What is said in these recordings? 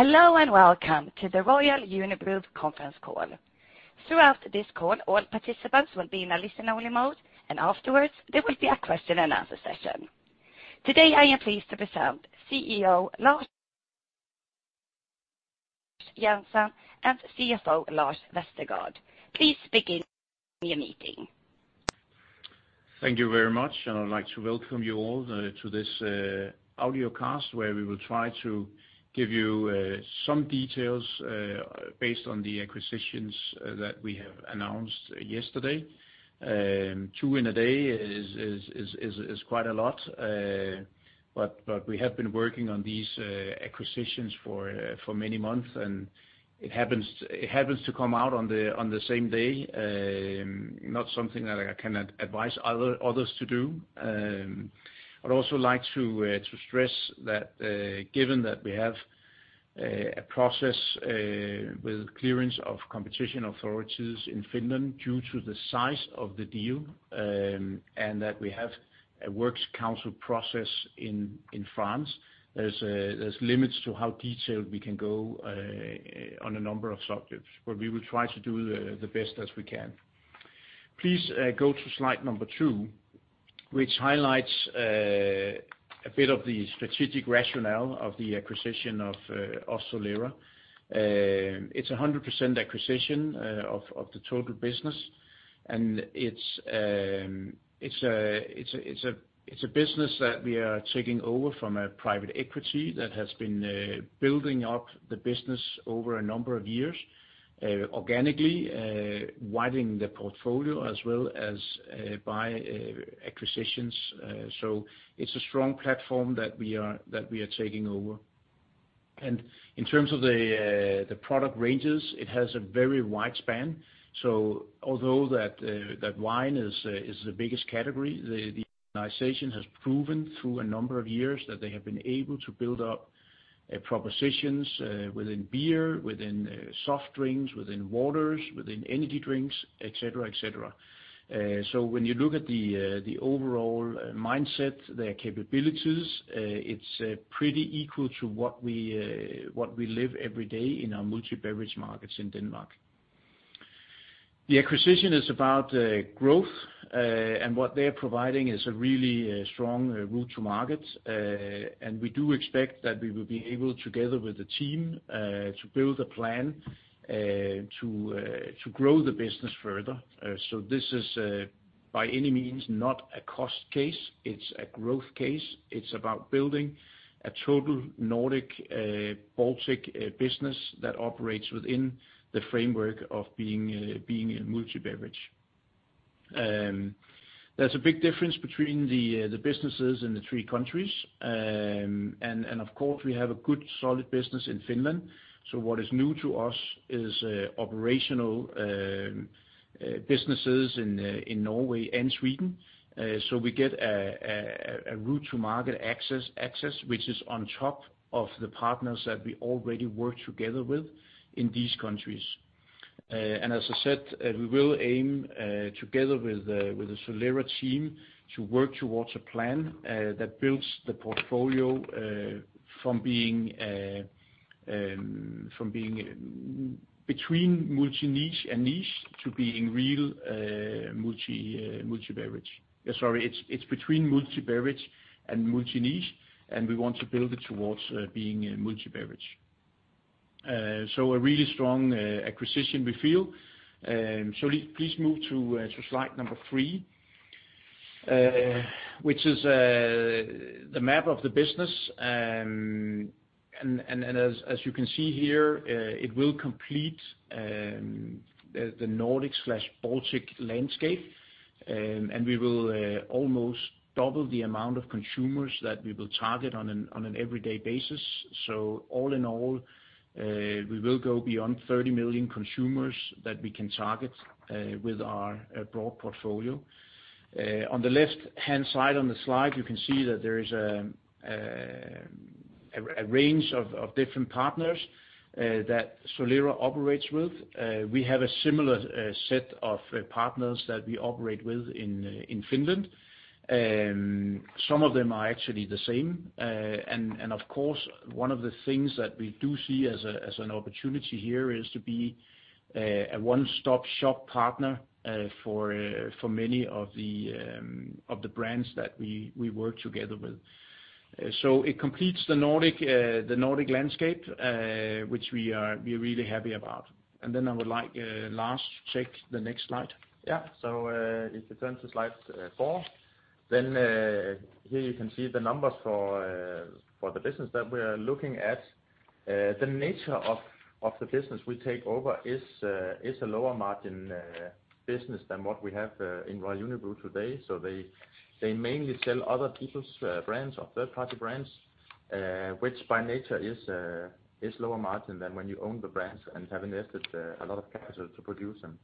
Hello, welcome to the Royal Unibrew conference call. Throughout this call, all participants will be in a listen-only mode, and afterwards there will be a question and answer session. Today, I am pleased to present CEO Lars Jensen and CFO Lars Vestergaard. Please begin your meeting. Thank you very much. I'd like to welcome you all to this audiocast, where we will try to give you some details based on the acquisitions that we have announced yesterday. Two in a day is quite a lot. We have been working on these acquisitions for many months, it happens to come out on the same day, not something that I can advise others to do. I'd also like to stress that given that we have a process with clearance of competition authorities in Finland due to the size of the deal, and that we have a works council process in France, there's limits to how detailed we can go on a number of subjects. We will try to do the best as we can. Please go to slide number two, which highlights a bit of the strategic rationale of the acquisition of Solera. It's 100% acquisition of the total business, and it's a business that we are taking over from a private equity that has been building up the business over a number of years organically, widening the portfolio as well as by acquisitions. It's a strong platform that we are taking over. In terms of the product ranges, it has a very wide span. Although that wine is the biggest category, the organization has proven through a number of years that they have been able to build up propositions within beer, within soft drinks, within waters, within energy drinks, et cetera. When you look at the overall mindset, their capabilities, it's pretty equal to what we live every day in our multi-beverage markets in Denmark. The acquisition is about growth, and what they're providing is a really strong route to market. We do expect that we will be able, together with the team, to build a plan to grow the business further. This is by any means not a cost case. It's a growth case. It's about building a total Nordic-Baltic business that operates within the framework of being a multi-beverage. There's a big difference between the businesses in the three countries, and of course, we have a good, solid business in Finland. What is new to us is operational businesses in Norway and Sweden. We get a route to market access, which is on top of the partners that we already work together with in these countries. As I said, we will aim together with the Solera team to work towards a plan that builds the portfolio from being between multi-niche and niche to being real multi-beverage. Sorry, it is between multi-beverage and multi-niche. We want to build it towards being a multi-beverage. A really strong acquisition, we feel. Please move to slide three, which is the map of the business. As you can see here, it will complete the Nordic/Baltic landscape, and we will almost double the amount of consumers that we will target on an everyday basis. All in all, we will go beyond 30 million consumers that we can target with our broad portfolio. On the left-hand side on the slide, you can see that there is a range of different partners that Solera operates with. We have a similar set of partners that we operate with in Finland. Some of them are actually the same. Of course, one of the things that we do see as an opportunity here is to be a one-stop shop partner for many of the brands that we work together with. It completes the Nordic landscape, which we are really happy about. I would like Lars to check the next slide. Yeah. If you turn to slide four, here you can see the numbers for the business that we are looking at. The nature of the business we take over is a lower margin business than what we have in Royal Unibrew today. They mainly sell other people's brands or third-party brands, which by nature is lower margin than when you own the brands and have invested a lot of capital to produce them.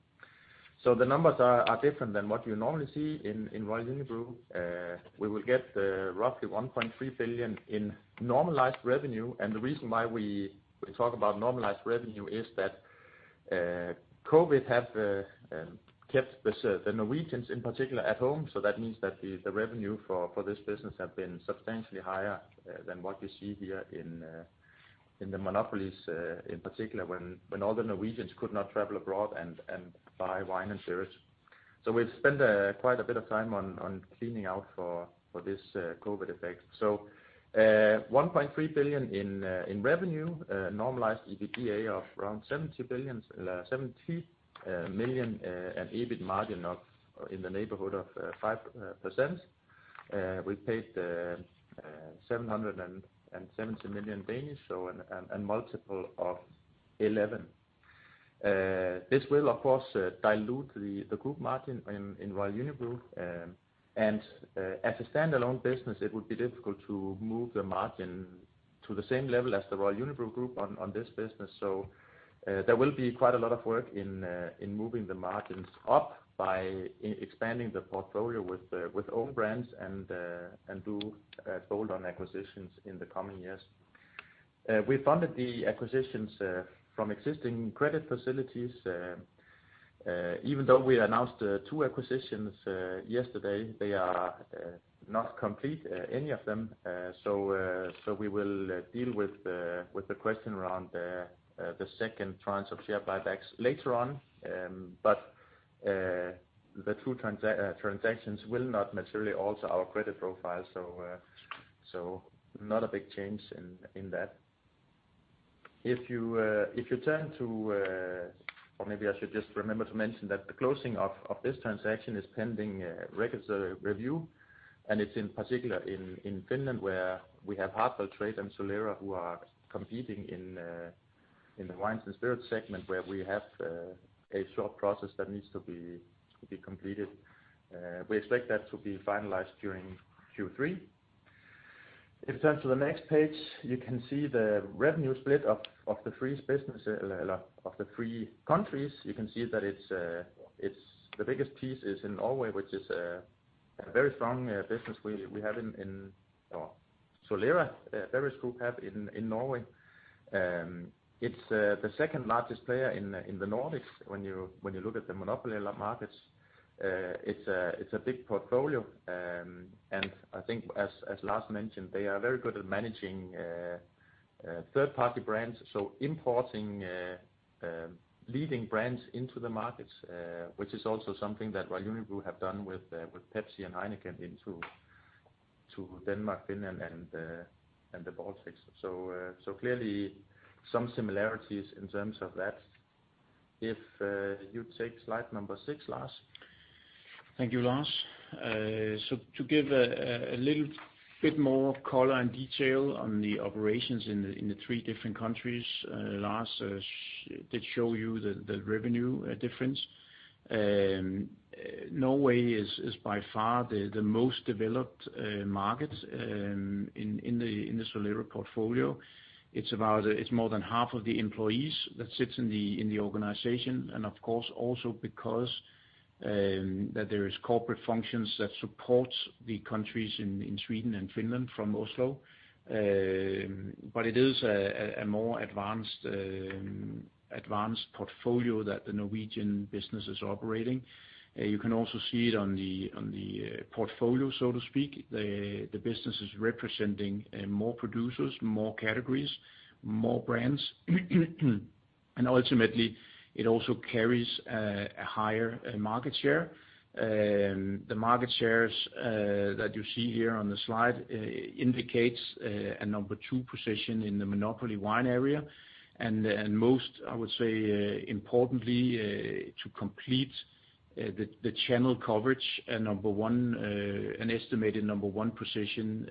The numbers are different than what you normally see in Royal Unibrew. We will get roughly 1.3 billion in normalized revenue, and the reason why we talk about normalized revenue. COVID have kept the Norwegians in particular at home. That means that the revenue for this business has been substantially higher than what you see here in the monopolies, in particular when all the Norwegians could not travel abroad and buy wine and spirits. We've spent quite a bit of time on cleaning out for this COVID effect. 1.3 billion in revenue, normalized EBITDA of around 70 million, and EBIT margin in the neighborhood of 5%. We paid 770 million, a multiple of 11. This will, of course, dilute the group margin in Royal Unibrew. As a standalone business, it would be difficult to move the margin to the same level as the Royal Unibrew group on this business. There will be quite a lot of work in moving the margins up by expanding the portfolio with own brands and do bolt-on acquisitions in the coming years. We funded the acquisitions from existing credit facilities. Even though we announced two acquisitions yesterday, they are not complete, any of them. We will deal with the question around the second tranche of share buybacks later on. The two transactions will not materially alter our credit profile, so not a big change in that. Or maybe I should just remember to mention that the closing of this transaction is pending a regulatory review, and it's in particular in Finland, where we have Hartwa-Trade and Solera, who are competing in the wines and spirits segment where we have a short process that needs to be completed. We expect that to be finalized during Q3. If you turn to the next page, you can see the revenue split of the three countries. You can see that the biggest piece is in Norway, which is a very strong business we have in Solera, the beverage group have in Norway. It's the second-largest player in the Nordics when you look at the monopoly markets. It's a big portfolio, and I think as Lars mentioned, they are very good at managing third-party brands, so importing leading brands into the markets, which is also something that Royal Unibrew have done with Pepsi and Heineken into Denmark, Finland, and the Baltics. Clearly some similarities in terms of that. If you take slide number six, Lars. Thank you, Lars. To give a little bit more color and detail on the operations in the three different countries, Lars did show you the revenue difference. Norway is by far the most developed market in the Solera portfolio. It's more than half of the employees that sits in the organization, and of course, also because that there is corporate functions that support the countries in Sweden and Finland from Oslo. It is a more advanced portfolio that the Norwegian business is operating. You can also see it on the portfolio, so to speak. The business is representing more producers, more categories, more brands, and ultimately it also carries a higher market share. The market shares that you see here on the slide indicates a number two position in the monopoly wine area, and most, I would say, importantly to complete the channel coverage, an estimated number one position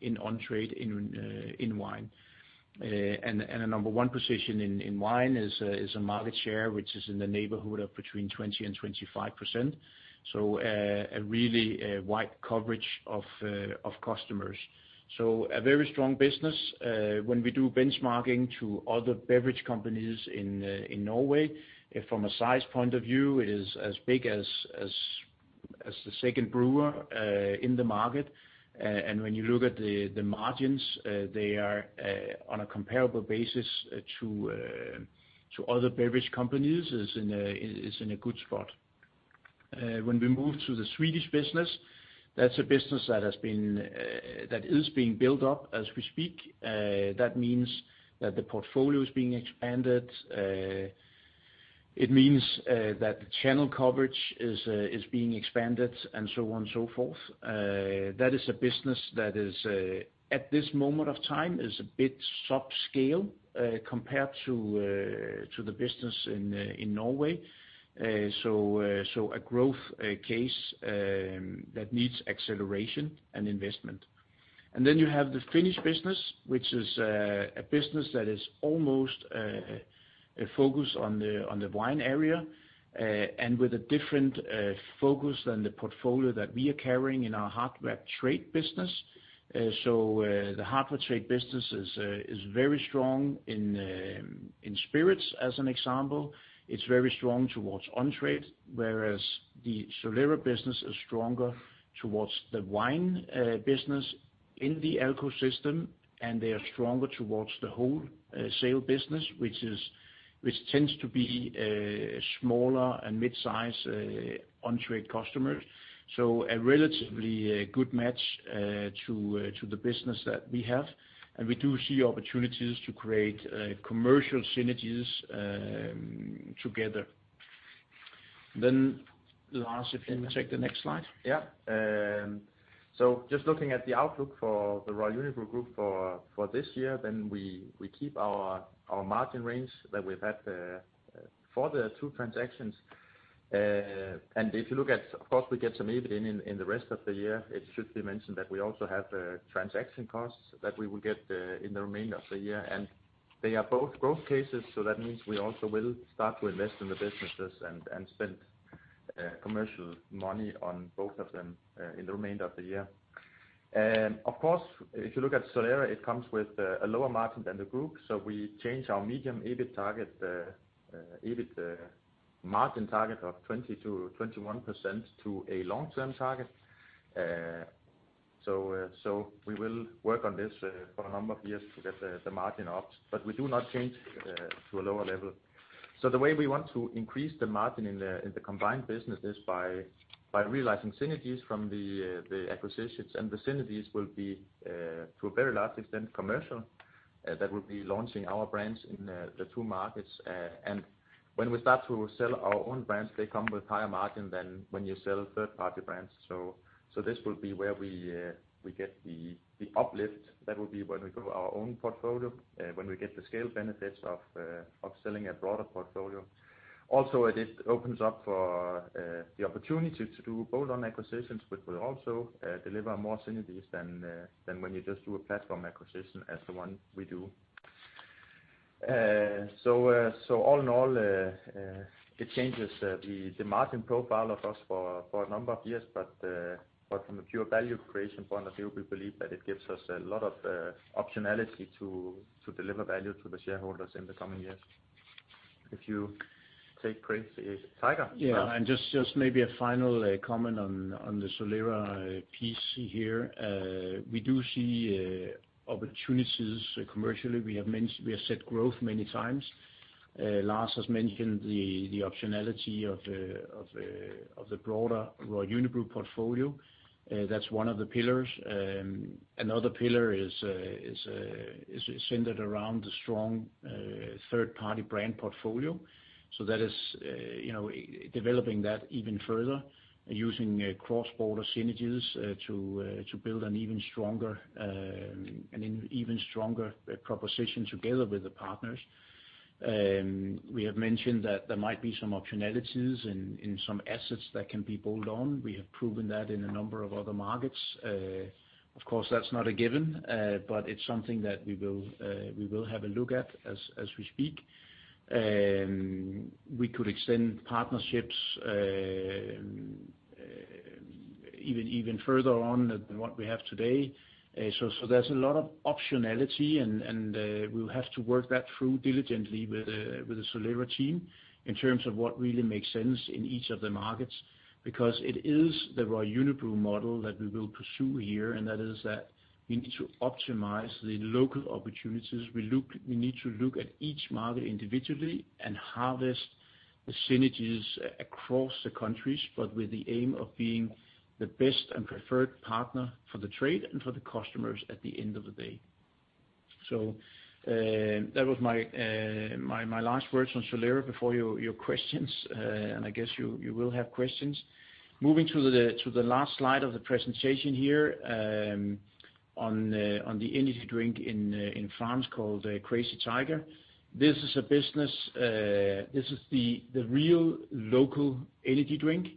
in on-trade in wine. A number one position in wine is a market share which is in the neighborhood of between 20%-25%. A really wide coverage of customers. A very strong business. When we do benchmarking to other beverage companies in Norway, from a size point of view, is as big as the second brewer in the market. When you look at the margins, they are on a comparable basis to other beverage companies, is in a good spot. When we move to the Swedish business, that's a business that is being built up as we speak. That means that the portfolio is being expanded. It means that the channel coverage is being expanded and so on and so forth. That is a business that is at this moment of time is a bit subscale compared to the business in Norway. A growth case that needs acceleration and investment. You have the Finnish business, which is a business that is almost focused on the wine area, with a different focus than the portfolio that we are carrying in our Hartwa-Trade business. The Hartwa-Trade business is very strong in spirits, as an example. It's very strong towards on-trade, whereas the Solera business is stronger towards the wine business in the Alko system, and they are stronger towards the wholesale business, which tends to be smaller and mid-size on-trade customers. A relatively good match to the business that we have. We do see opportunities to create commercial synergies together. Lars, if you can take the next slide. Just looking at the outlook for the Royal Unibrew Group for this year, we keep our margin range that we've had for the two transactions. Of course, we get some EBIT in the rest of the year. It should be mentioned that we also have transaction costs that we will get in the remainder of the year, and they are both cases, so that means we also will start to invest in the businesses and spend commercial money on both of them in the remainder of the year. Of course, if you look at Solera, it comes with a lower margin than the group. We change our medium EBIT target, the margin target of 20%-21% to a long-term target. We will work on this for a number of years to get the margin up, but we do not change to a lower level. The way we want to increase the margin in the combined business is by realizing synergies from the acquisitions. The synergies will be to a very large extent commercial, that would be launching our brands in the two markets. When we start to sell our own brands, they come with higher margin than when you sell third-party brands. This will be where we get the uplift. That will be when we build our own portfolio, when we get the scale benefits of selling a broader portfolio. Also, it opens up for the opportunity to do bolt-on acquisitions, which will also deliver more synergies than when you just do a platform acquisition as the one we do. All in all, it changes the margin profile of us for a number of years, but from a pure value creation point of view, we believe that it gives us a lot of optionality to deliver value to the shareholders in the coming years. Yeah. Just maybe a final comment on the Solera piece here. We do see opportunities commercially. We have said growth many times. Lars has mentioned the optionality of the broader Royal Unibrew portfolio. That's one of the pillars. Another pillar is centered around the strong third-party brand portfolio. That is developing that even further, using cross-border synergies to build an even stronger proposition together with the partners. We have mentioned that there might be some optionalities in some assets that can be bolt on. We have proven that in a number of other markets. Of course, that's not a given, but it's something that we will have a look at as we speak. We could extend partnerships even further on than what we have today. There's a lot of optionality, and we'll have to work that through diligently with the Solera team in terms of what really makes sense in each of the markets, because it is the Royal Unibrew model that we will pursue here, and that is that we need to optimize the local opportunities. We need to look at each market individually and harvest the synergies across the countries, but with the aim of being the best and preferred partner for the trade and for the customers at the end of the day. That was my last words on Solera before your questions, and I guess you will have questions. Moving to the last slide of the presentation here, on the energy drink in France called Crazy Tiger. This is the real local energy drink.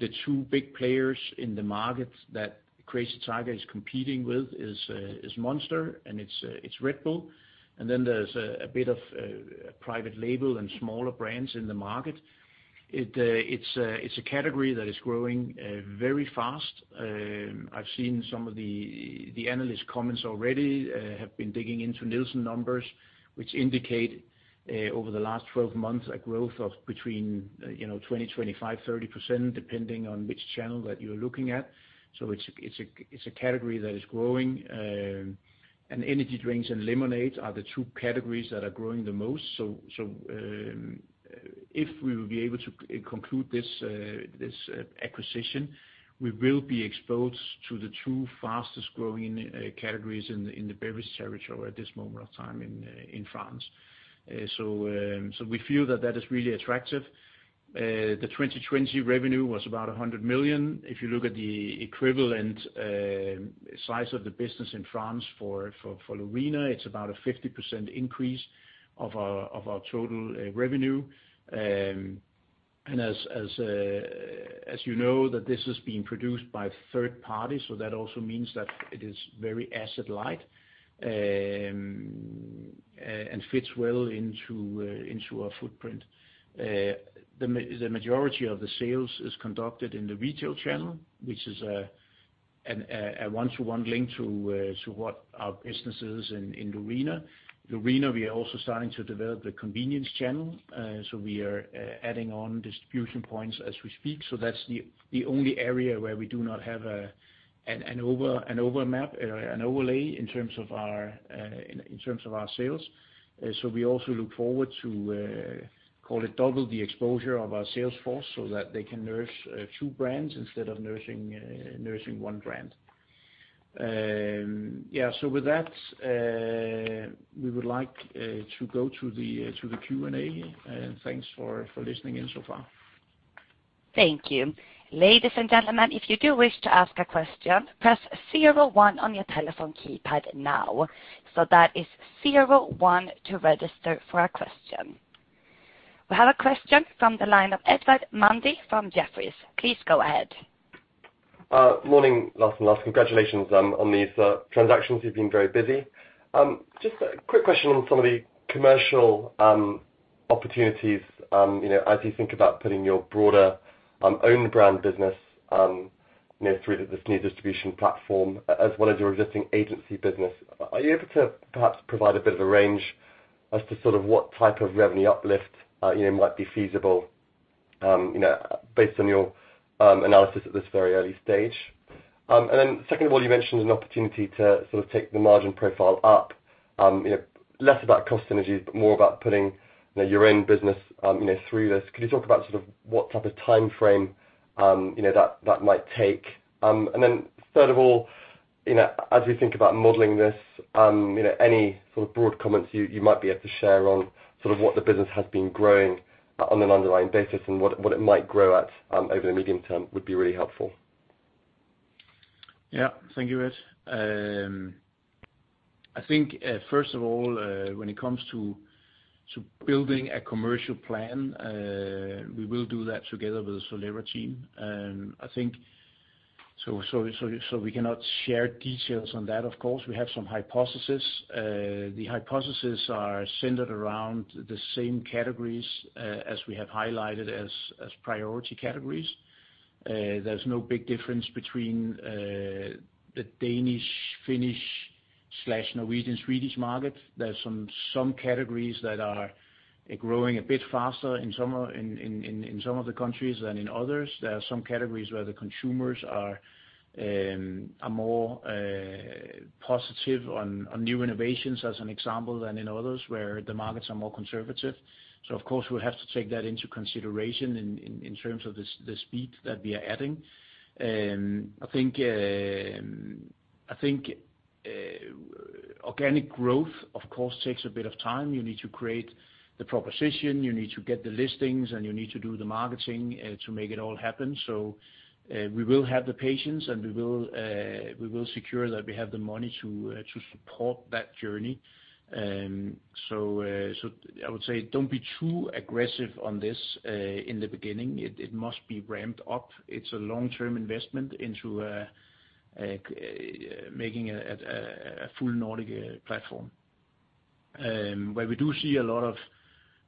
The two big players in the market that Crazy Tiger is competing with is Monster, and it's Red Bull, and then there's a bit of private label and smaller brands in the market. It's a category that is growing very fast. I've seen some of the analyst comments already have been digging into Nielsen numbers, which indicate over the last 12 months, a growth of between 20%, 25%, 30%, depending on which channel that you're looking at. It's a category that is growing, and energy drinks and lemonade are the two categories that are growing the most. If we will be able to conclude this acquisition, we will be exposed to the two fastest-growing categories in the beverage territory at this moment of time in France. We feel that that is really attractive. The 2020 revenue was about 100 million. If you look at the equivalent size of the business in France for Lorina, it's about a 50% increase of our total revenue. As you know, that this is being produced by third party, so that also means that it is very asset light, and fits well into our footprint. The majority of the sales is conducted in the retail channel, which is a one-to-one link to what our business is in Lorina. We are also starting to develop the convenience channel, so we are adding on distribution points as we speak. That's the only area where we do not have an overlap, an overlay in terms of our sales. We also look forward to call it double the exposure of our sales force so that they can nurse a few brands instead of nursing one brand. With that, we would like to go to the Q&A, and thanks for listening in so far. Thank you. Ladies and gentlemen, if you do wish to ask a question, press zero one on your telephone keypad now. That is zero one to register for a question. We have a question from the line of Edward Mundy from Jefferies. Please go ahead. Morning, Lars and Lars. Congratulations on these transactions. You've been very busy. Just a quick question on some of the commercial opportunities as you think about putting your broader own brand business through this new distribution platform as well as your existing agency business. Are you able to perhaps provide a bit of a range as to sort of what type of revenue uplift might be feasible based on your analysis at this very early stage? Secondly, you mentioned an opportunity to sort of take the margin profile up, less about cost synergies, but more about putting your own business through this. Can you talk about sort of what type of timeframe that might take? Third of all, as you think about modeling this, any sort of broad comments you might be able to share on sort of what the business has been growing on an underlying basis and what it might grow at over the medium term would be really helpful. Yeah, thank you, Ed. I think, first of all, when it comes to building a commercial plan, we will do that together with the Solera team. We cannot share details on that, of course. We have some hypotheses. The hypotheses are centered around the same categories as we have highlighted as priority categories. There's no big difference between the Danish, Finnish/Norwegian, Swedish market. There are some categories that are growing a bit faster in some of the countries than in others. There are some categories where the consumers are more positive on new innovations, as an example, than in others where the markets are more conservative. Of course, we'll have to take that into consideration in terms of the speed that we are adding. I think organic growth, of course, takes a bit of time. You need to create the proposition, you need to get the listings, and you need to do the marketing to make it all happen. We will have the patience, and we will secure that we have the money to support that journey. I would say don't be too aggressive on this in the beginning. It must be ramped up. It's a long-term investment into making a full Nordic platform where we do see a lot of,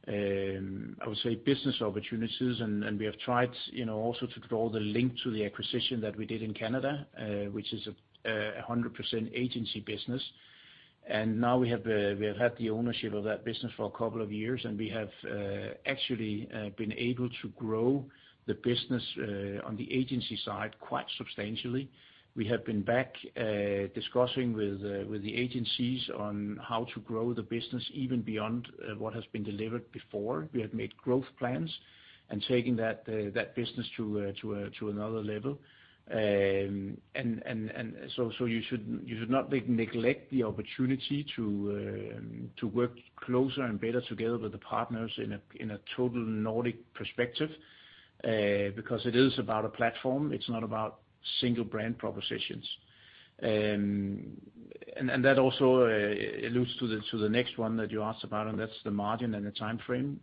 I would say, business opportunities, and we have tried also to draw the link to the acquisition that we did in Canada, which is a 100% agency business. Now we have had the ownership of that business for a couple of years, and we have actually been able to grow the business on the agency side quite substantially. We have been back discussing with the agencies on how to grow the business even beyond what has been delivered before. We have made growth plans and taking that business to another level. You should not neglect the opportunity to work closer and better together with the partners in a total Nordic perspective because it is about a platform. It's not about single brand propositions. That also alludes to the next one that you asked about, and that's the margin and the timeframe.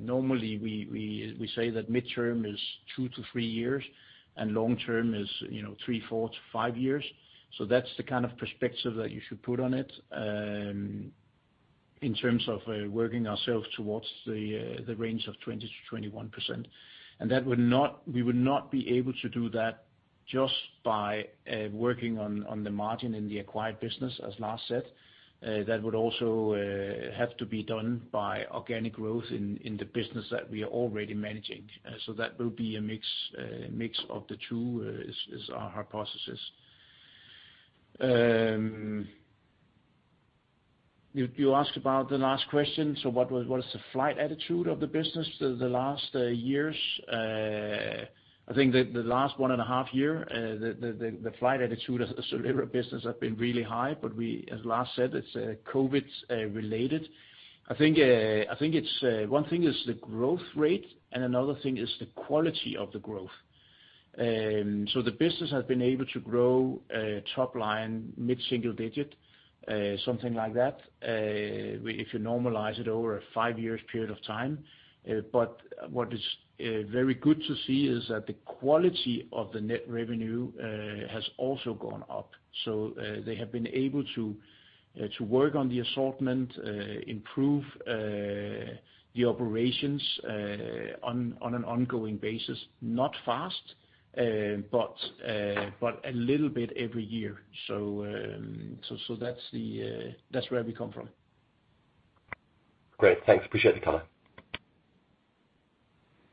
Normally, we say that midterm is two to three years, and long-term is three to five years. That's the kind of perspective that you should put on it in terms of working ourselves towards the range of 20%-21%. We would not be able to do that just by working on the margin in the acquired business, as Lars said. That would also have to be done by organic growth in the business that we are already managing. That will be a mix of the two is our hypothesis. You asked about the last question, what is the flight attitude of the business the last years? I think that the last one and a half years, the flight attitude of the Solera business has been really high, but as Lars said, it's COVID-related. I think one thing is the growth rate, and another thing is the quality of the growth. The business has been able to grow top line mid-single digit, something like that, if you normalize it over a five years period of time. What is very good to see is that the quality of the net revenue has also gone up. They have been able to work on the assortment, improve the operations on an ongoing basis. Not fast, but a little bit every year. That's where we come from. Great. Thanks. Appreciate the color.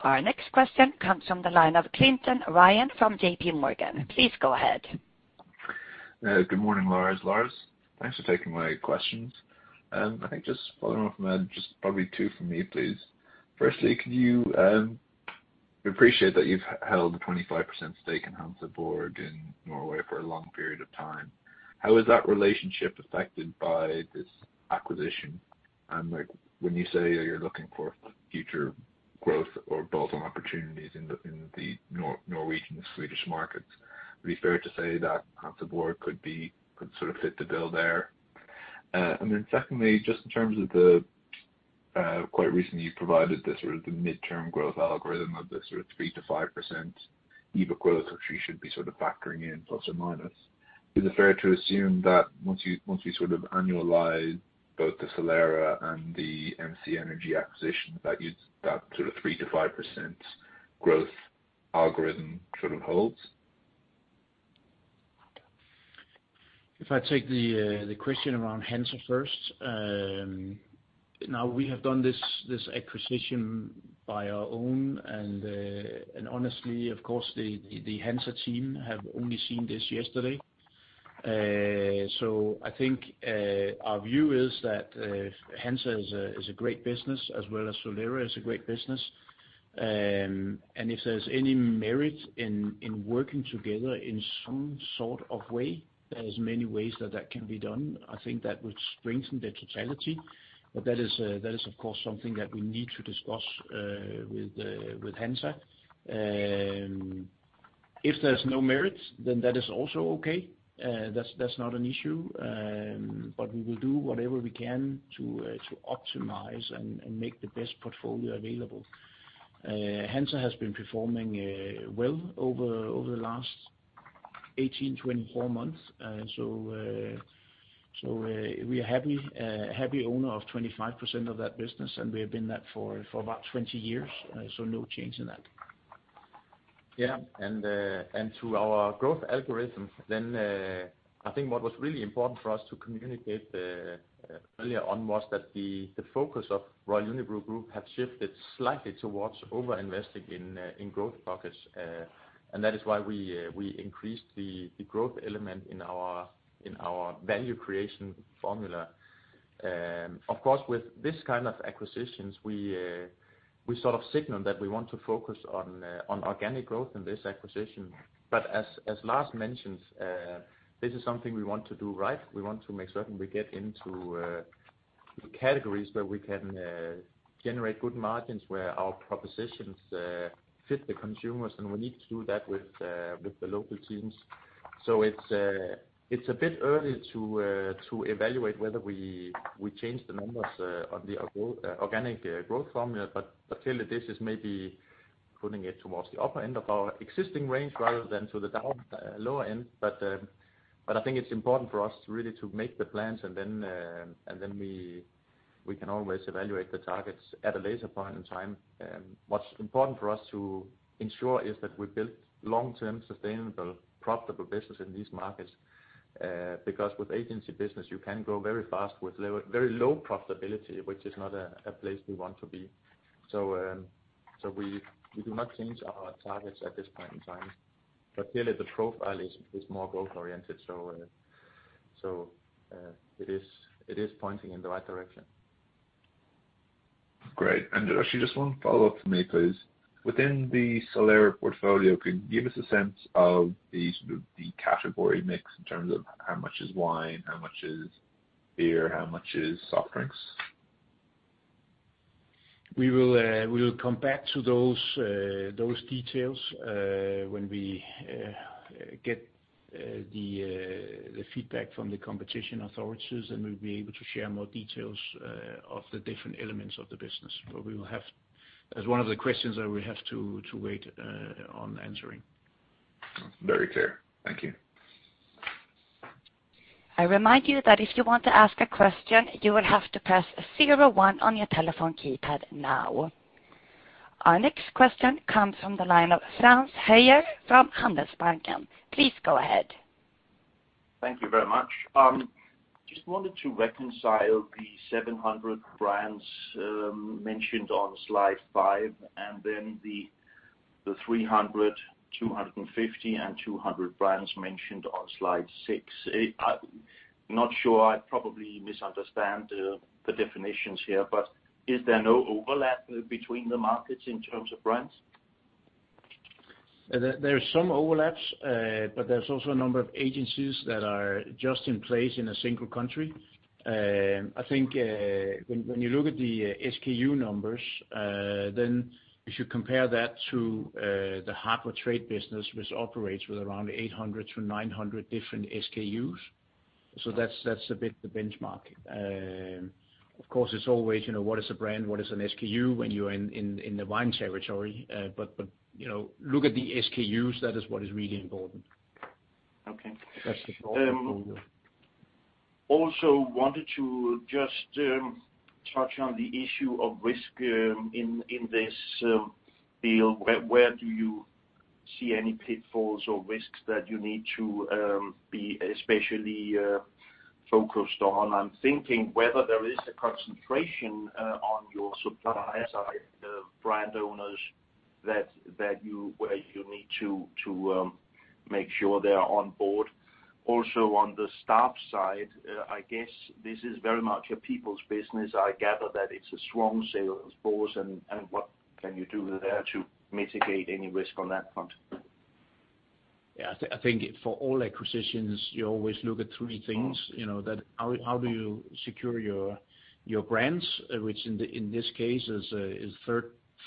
Our next question comes from the line of Fintan Ryan from JPMorgan. Please go ahead. Good morning, Lars. Lars, thanks for taking my questions. Following off from that, probably two from me, please. Firstly, we appreciate that you've held a 25% stake in Hansa Borg in Norway for a long period of time. How is that relationship affected by this acquisition? When you say you're looking for future growth or bolt-on opportunities in the Norwegian and Swedish markets, would it be fair to say that Hansa Borg could sort of fit the bill there? Secondly, quite recently, you provided the sort of midterm growth algorithm of the sort of 3%-5% EBIT growth, which you should be sort of factoring in plus or minus. Is it fair to assume that once you annualize both the Solera and the MC Energy acquisition, that sort of 3%-5% growth algorithm holds? If I take the question around Hansa first. Now, we have done this acquisition by our own, and honestly, of course, the Hansa team have only seen this yesterday. I think our view is that Hansa is a great business as well as Solera is a great business. If there's any merit in working together in some sort of way, there's many ways that that can be done. I think that would strengthen the totality, but that is, of course, something that we need to discuss with Hansa. If there's no merit, that is also okay. That's not an issue. We will do whatever we can to optimize and make the best portfolio available. Hansa has been performing well over the last 18-24 months. We are a happy owner of 25% of that business, and we have been that for about 20 years. No change in that. Yeah. To our growth algorithms, I think what was really important for us to communicate earlier on was that the focus of Royal Unibrew Group have shifted slightly towards over-investing in growth pockets. That is why we increased the growth element in our value creation formula. Of course, with this kind of acquisitions, we sort of signaled that we want to focus on organic growth in this acquisition. As Lars mentioned, this is something we want to do right. We want to make certain we get into categories where we can generate good margins, where our propositions fit the consumers, and we need to do that with the local teams. It's a bit early to evaluate whether we change the numbers on the organic growth formula, but clearly this is maybe putting it towards the upper end of our existing range rather than to the lower end. I think it's important for us really to make the plans, and then we can always evaluate the targets at a later point in time. What's important for us to ensure is that we build long-term, sustainable, profitable business in these markets, because with agency business, you can grow very fast with very low profitability, which is not a place we want to be. We do not change our targets at this point in time, but clearly the profile is more growth-oriented, so it is pointing in the right direction. Actually just one follow-up for me, because within the Solera portfolio, can you give us a sense of the sort of the category mix in terms of how much is wine, how much is beer, how much is soft drinks? We will come back to those details when we get the feedback from the competition authorities, and we'll be able to share more details of the different elements of the business. That's one of the questions that we have to wait on answering. Very clear. Thank you. I remind you that if you want to ask a question, you will have to press zero one on your telephone keypad now. Our next question comes from the line of Frans Hoyer from Handelsbanken. Please go ahead. Thank you very much. Just wanted to reconcile the 700 brands mentioned on slide five and then the 300, 250, and 200 brands mentioned on slide six. Not sure, I probably misunderstand the definitions here, but is there no overlap between the markets in terms of brands? There's some overlaps, but there's also a number of agencies that are just in place in a single country. I think when you look at the SKU numbers, if you compare that to the Hartwa-Trade business, which operates with around 800-900 different SKUs. That's a bit the benchmark. Of course, it's always, what is a brand, what is an SKU when you're in the wine territory? Look at the SKUs. That is what is really important. Okay. That's the short formula. Wanted to just touch on the issue of risk in this deal. Where do you see any pitfalls or risks that you need to be especially focused on? I'm thinking whether there is a concentration on your supplier side, the brand owners where you need to make sure they're on board. On the staff side, I guess this is very much a people's business. I gather that it's a strong sales force and what can you do there to mitigate any risk on that front? Yeah. I think for all acquisitions, you always look at three things. How do you secure your brands? Which in this case is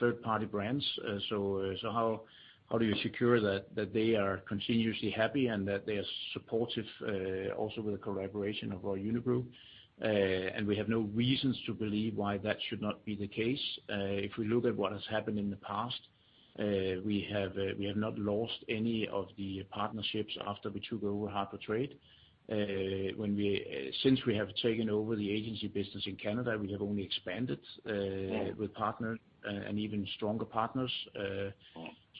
third-party brands. How do you secure that they are continuously happy and that they are supportive also with the collaboration of Royal Unibrew. We have no reasons to believe why that should not be the case. If we look at what has happened in the past, we have not lost any of the partnerships after we took over Hartwa-Trade. Since we have taken over the agency business in Canada, we have only expanded with partner and even stronger partners.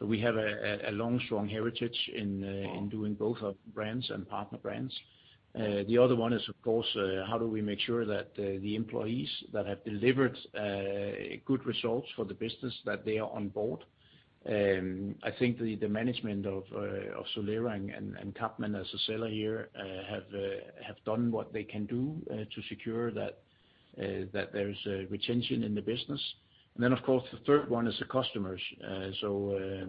We have a long, strong heritage in doing both our brands and partner brands. The other one is, of course, how do we make sure that the employees that have delivered good results for the business that they are on board. I think the management of Solera and CapMan as a seller here have done what they can do to secure that there is retention in the business. Of course, the third one is the customers. How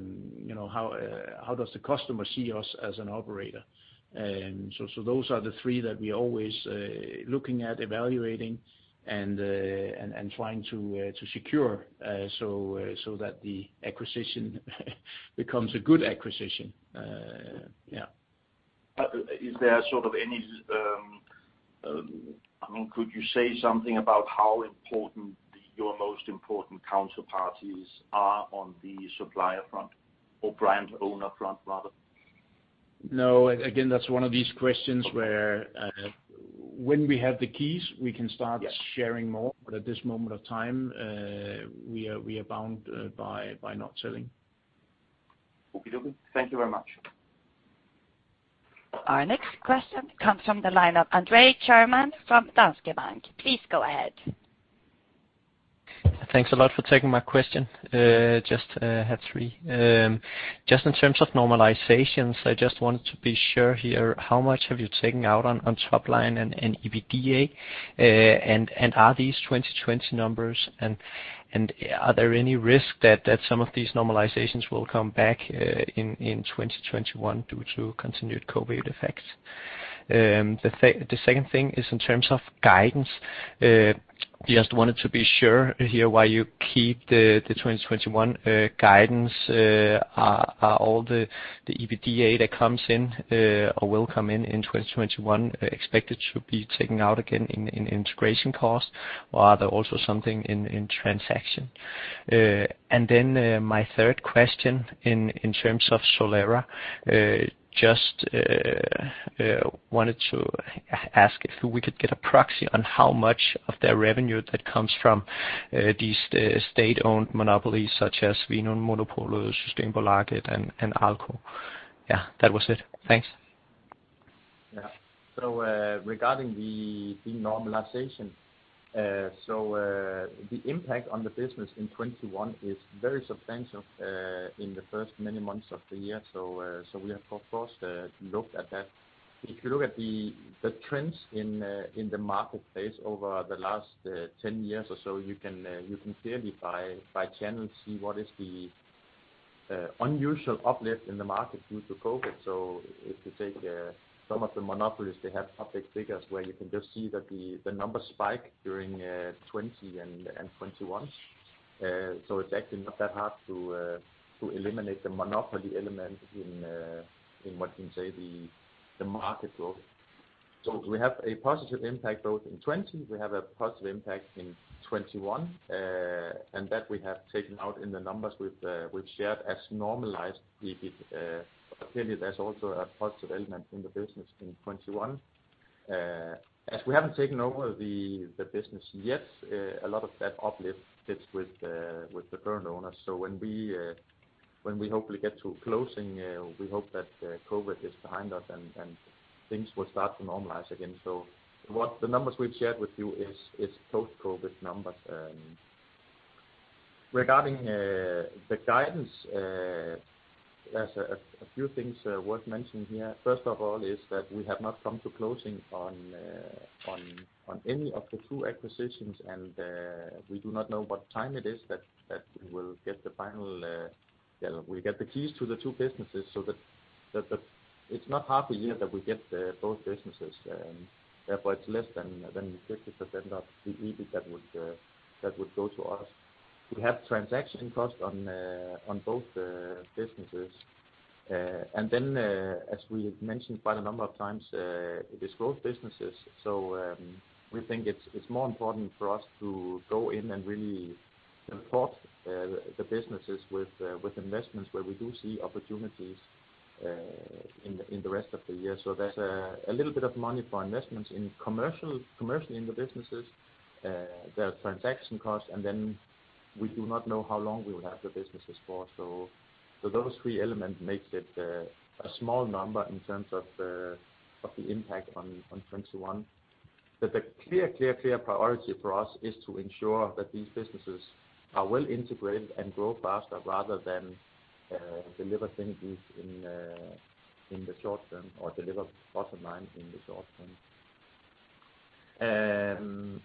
does the customer see us as an operator? Those are the three that we are always looking at evaluating and trying to secure so that the acquisition becomes a good acquisition. Yeah. Could you say something about how important your most important counter parties are on the supplier front or brand owner front rather? No, again, that's one of these questions where when we have the keys, we can start sharing more. At this moment of time we are bound by not selling. Okay. Thank you very much. Our next question comes from the line of André Thormann from Danske Bank. Please go ahead. Thanks a lot for taking my question. Just have three. In terms of normalizations, I just wanted to be sure here how much have you taken out on top line and EBITDA. Are these 2020 numbers? Are there any risk that some of these normalizations will come back in 2021 due to continued COVID effects? The second thing is in terms of guidance, just wanted to be sure here why you keep the 2021 guidance. Are all the EBITDA that comes in or will come in 2021 expected to be taken out again in integration cost or are there also something in transaction? My third question in terms of Solera, just wanted to ask if we could get a proxy on how much of their revenue that comes from these state-owned monopolies such as Vinmonopolet, Systembolaget and Alko. Yeah, that was it. Thanks. Regarding the normalization, the impact on the business in 2021 is very substantial in the first many months of the year. We have, of course, looked at that. If you look at the trends in the marketplace over the last 10 years or so, you can clearly by channel see what is the unusual uplift in the market due to COVID. If you take some of the monopolies, they have public figures where you can just see that the numbers spike during 2020 and 2021. It's actually not that hard to eliminate the monopoly element in what you say the market growth. We have a positive impact both in 2020, we have a positive impact in 2021, and that we have taken out in the numbers we've shared as normalized EBIT. Clearly, there's also a positive element in the business in 2021. As we haven't taken over the business yet, a lot of that uplift sits with the current owners. When we hope to get to a closing, we hope that COVID is behind us and things will start to normalize again. The numbers we've shared with you is post-COVID numbers. Regarding the guidance, there's a few things worth mentioning here. First of all is that we have not come to closing on any of the two acquisitions and we do not know what time it is that we will get the keys to the two businesses so that it's not half a year that we get both businesses and therefore it's less than 50% of the EBIT that would go to us. We have transaction cost on both businesses. As we have mentioned quite a number of times it is both businesses so we think it's more important for us to go in and really support the businesses with investments where we do see opportunities. In the rest of the year. There's a little bit of money for investments in commercial in the businesses. There are transaction costs, and then we do not know how long we will have the businesses for. Those three elements makes it a small number in terms of the impact on 2021. The clear priority for us is to ensure that these businesses are well integrated and grow faster rather than deliver synergies in the short term or deliver bottom line in the short term.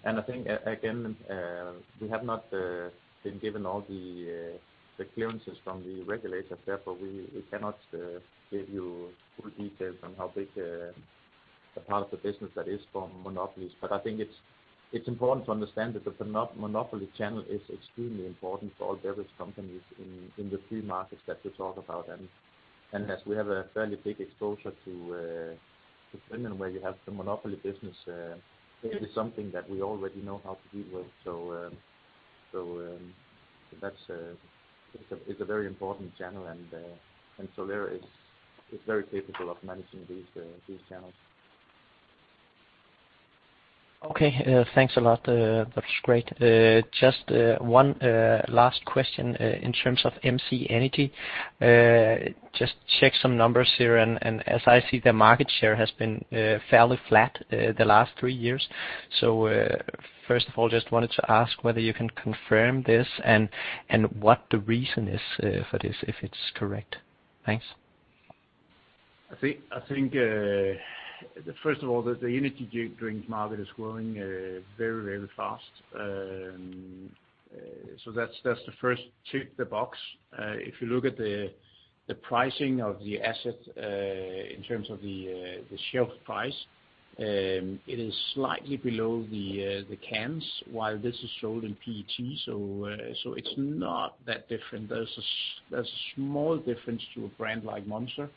I think, again, we have not been given all the clearances from the regulator, therefore, we cannot give you full details on how big a part of the business that is from monopolies. I think it's important to understand that the monopoly channel is extremely important for all beverage companies in the three markets that we talk about. As we have a fairly big exposure to Finland where you have the monopoly business, it is something that we already know how to deal with. That's a very important channel, and Solera is very capable of managing these channels. Okay. Thanks a lot. That was great. Just one last question in terms of MC Energy. Just check some numbers here, and as I see, the market share has been fairly flat the last three years. First of all, just wanted to ask whether you can confirm this and what the reason is for this, if it's correct. Thanks. I think, first of all, that the energy drink market is growing very fast. That's the first tick the box. If you look at the pricing of the asset in terms of the shelf price, it is slightly below the cans while this is sold in PET. It's not that different. There's a small difference to a brand like Monster.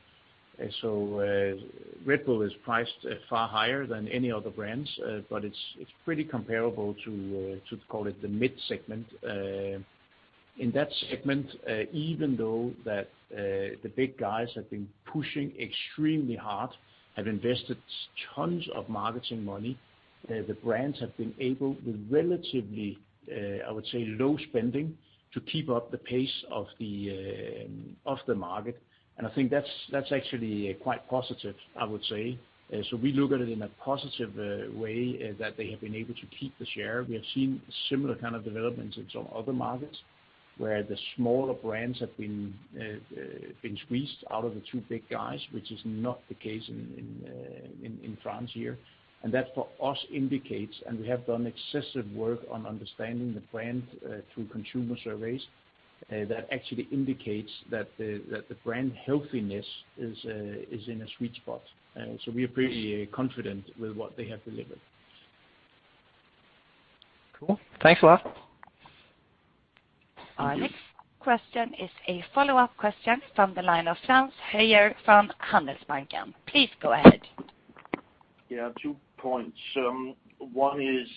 Red Bull is priced far higher than any other brands. It's pretty comparable to call it the mid-segment. In that segment even though that the big guys have been pushing extremely hard, have invested tons of marketing money, the brands have been able with relatively, I would say, low spending to keep up the pace of the market. I think that's actually quite positive, I would say. We look at it in a positive way that they have been able to keep the share. We have seen similar kind of developments in some other markets where the smaller brands have been squeezed out of the two big guys, which is not the case in France here. That, for us, indicates, and we have done excessive work on understanding the brand through consumer surveys, that actually indicates that the brand healthiness is in a sweet spot. We are pretty confident with what they have delivered. Cool. Thanks a lot. Our next question is a follow-up question from the line of Frans Hoyer from Handelsbanken. Please go ahead. Yeah. Two points. One is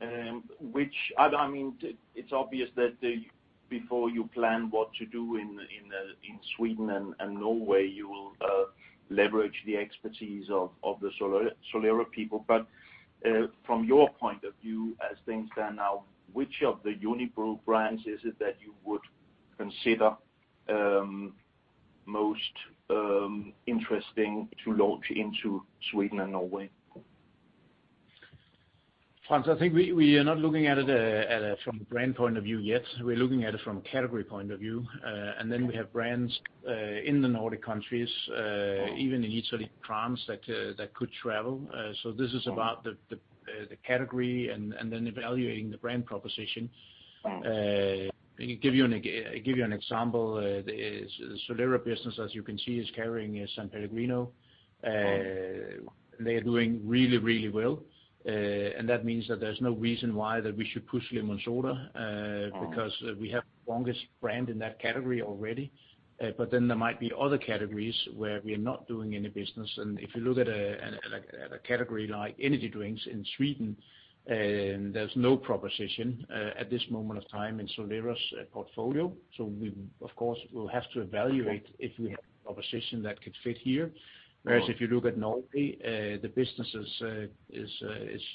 it's obvious that before you plan what to do in Sweden and Norway, you will leverage the expertise of the Solera people. From your point of view, as things stand now, which of the Unibrew brands is it that you would consider most interesting to launch into Sweden and Norway? Frans, I think we are not looking at it from a brand point of view yet. We are looking at it from a category point of view. We have brands in the Nordic countries, even in Italy, France, that could travel. This is about the category and then evaluating the brand proposition. Give you an example. The Solera business, as you can see, is carrying S.Pellegrino. They are doing really well, and that means that there is no reason why that we should push LemonSoda because we have the strongest brand in that category already. There might be other categories where we are not doing any business. If you look at a category like energy drinks in Sweden, there is no proposition at this moment of time in Solera's portfolio. We, of course, will have to evaluate if we have a proposition that could fit here. If you look at Norway, the business is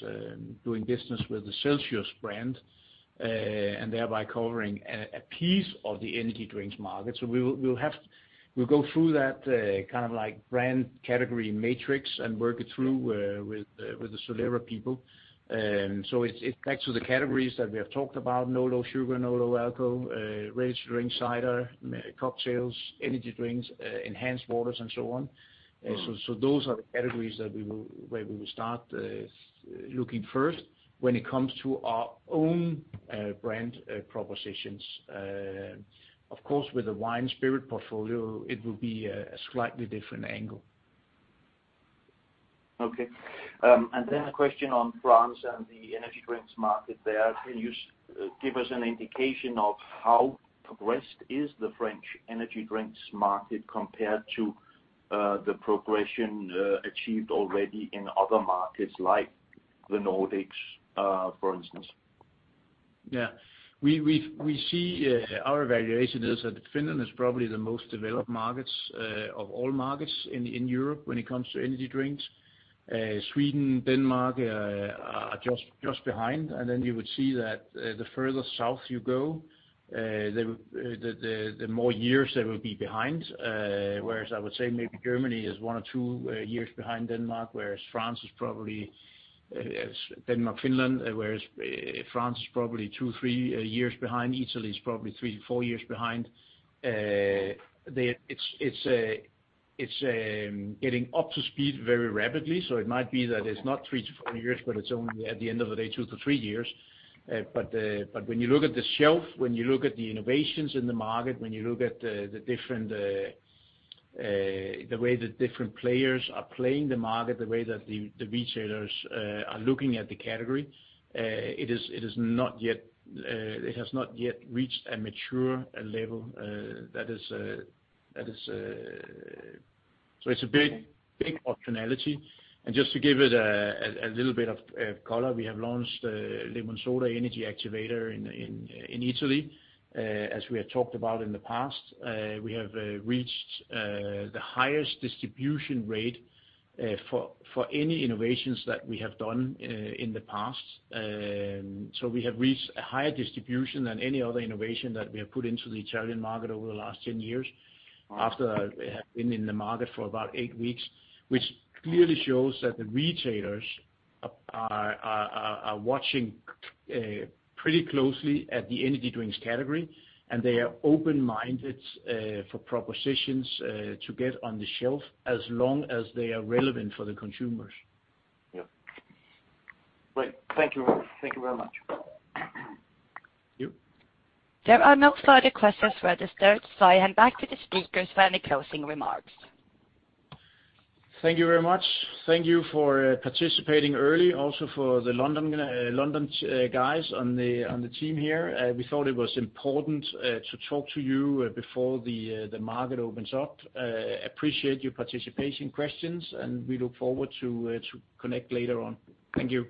doing business with the CELSIUS brand, and thereby covering a piece of the energy drinks market. We'll go through that kind of brand category matrix and work it through with the Solera people. It's back to the categories that we have talked about, no low sugar, no low alcohol, ready-to-drink cider, cocktails, energy drinks, enhanced waters, and so on. Of course, with the wine spirit portfolio, it will be a slightly different angle. Okay. Then a question on France and the energy drinks market there. Can you give us an indication of how progressed is the French energy drinks market compared to the progression achieved already in other markets like the Nordics, for instance? Yeah. Our evaluation is that Finland is probably the most developed market of all markets in Europe when it comes to energy drinks. Sweden and Denmark are just behind. Then you would see that the further south you go, the more years they will be behind. I would say maybe Germany is one or two years behind Denmark, Finland, whereas France is probably two, three years behind. Italy is probably three to four years behind. It's getting up to speed very rapidly. It might be that it's not three to four years, but it's only, at the end of the day, two to three years. When you look at the shelf, when you look at the innovations in the market, when you look at the way the different players are playing the market, the way that the retailers are looking at the category, it has not yet reached a mature level. It's a big optionality. Just to give it a little bit of color, we have launched LemonSoda Energy Activator in Italy, as we have talked about in the past. We have reached the highest distribution rate for any innovations that we have done in the past. We have reached a higher distribution than any other innovation that we have put into the Italian market over the last 10 years after having been in the market for about eight weeks, which clearly shows that the retailers are watching pretty closely at the energy drinks category, and they are open-minded for propositions to get on the shelf as long as they are relevant for the consumers. Yeah. Great. Thank you very much. Yep. There are no further questions registered, so I hand back to the speakers for any closing remarks. Thank you very much. Thank you for participating early, also for the London guys on the team here. We thought it was important to talk to you before the market opens up. Appreciate your participation questions, and we look forward to connect later on. Thank you.